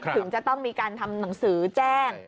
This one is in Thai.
ถึงจะต้องมีการทำหนังสือแจ้ง